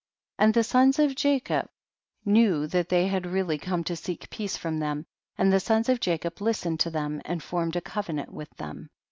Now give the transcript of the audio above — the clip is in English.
47. And the sons of Jacob knew that they had really come to seek peace from them, and the sons of Ja cob listened to them, and formed a covenant witii them.